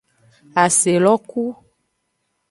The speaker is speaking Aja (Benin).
Aselo ku.